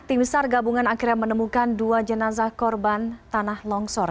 tim sar gabungan akhirnya menemukan dua jenazah korban tanah longsor